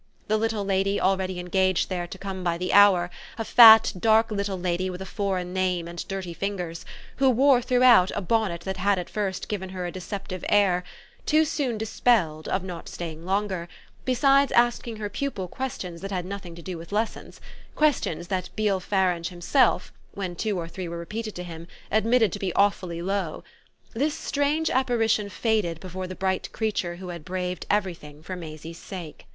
The little lady already engaged there to come by the hour, a fat dark little lady with a foreign name and dirty fingers, who wore, throughout, a bonnet that had at first given her a deceptive air, too soon dispelled, of not staying long, besides asking her pupil questions that had nothing to do with lessons, questions that Beale Farange himself, when two or three were repeated to him, admitted to be awfully low this strange apparition faded before the bright creature who had braved everything for Maisie's sake.